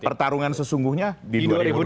pertarungan sesungguhnya di dua ribu dua puluh